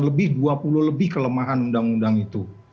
lebih dua puluh lebih kelemahan undang undang itu